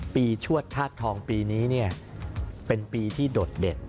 ปีชวดทาสทองปีนี้เนี่ยเป็นปีที่โดดเด่น